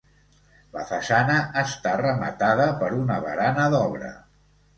La façana està rematada per una barana d'obra.